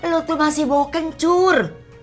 lo masih bau kencur